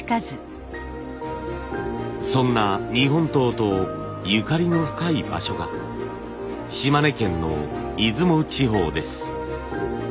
そんな日本刀とゆかりの深い場所が島根県の出雲地方です。